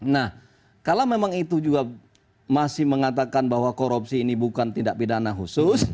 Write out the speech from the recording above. nah kalau memang itu juga masih mengatakan bahwa korupsi ini bukan tindak pidana khusus